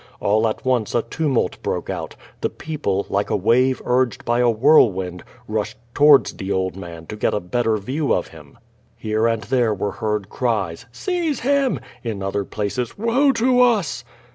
All at once a tumult broke out. The people, like a wave urged by a whirlwind, rushed towards the old man, to get .a better view of him. Here and there were heard cries "Seize him!" in other places '^oe to us!"